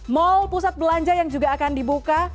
mal pusat belanja yang juga akan dibuka